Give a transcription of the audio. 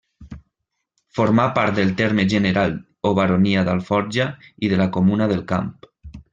Formà part del terme general o baronia d'Alforja i de la Comuna del Camp.